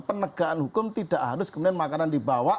penegakan hukum tidak harus kemudian makanan dibawa